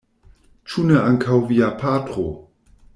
Ĉu ne ankaŭ via patro?